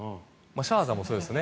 シャーザーもすごいですよね。